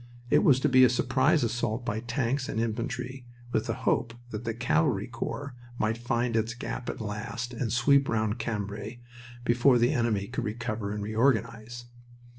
It was to be a surprise assault by tanks and infantry, with the hope that the cavalry corps might find its gap at last and sweep round Cambrai before the enemy could recover and reorganize.